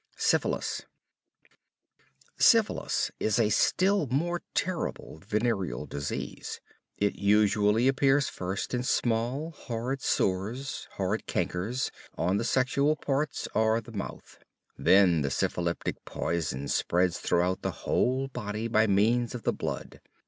SYPHILIS Syphilis is a still more terrible venereal disease. It usually appears first in small, hard sores, hard chancres, on the sexual parts or the mouth. Then the syphilitic poison spreads throughout the whole body by means of the blood.